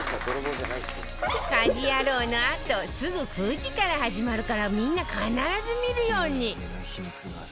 『家事ヤロウ！！！』のあとすぐ９時から始まるからみんな必ず見るように！